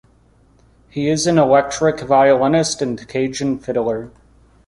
He is an electric violinist and Cajun fiddler.